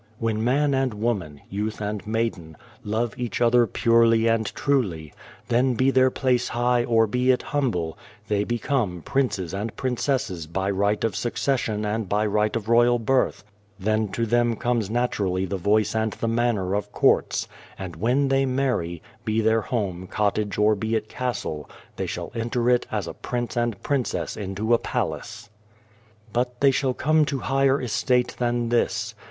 When man and woman, youth and maiden, love each other purely and truly, then 270 Without a Child be their place high or be it humble, they become princes and princesses by right of succession and by right of royal birth, then to them comes naturally the voice and the manner of courts ; and when they marry, be their home cottage or be it castle, they shall enter it as prince and princess into a palace. But they shall come to higher estate than this.